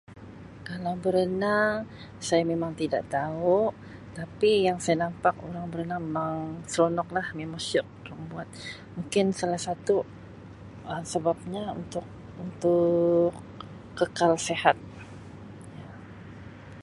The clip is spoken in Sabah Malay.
Kalau berenang saya memang tidak tau tapi yang saya nampak orang berenang mang seronok lah memang syiok durang buat. Mungkin salah satu Um sebabnya untuk-untuk kekal sihat.